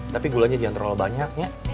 tapi gulanya jangan terlalu banyak